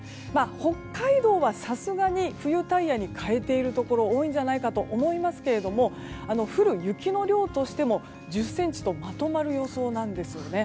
北海道はさすがに冬タイヤに換えているところ多いんじゃないかと思いますが降る雪の量としても１０ｃｍとまとまる予想なんですね。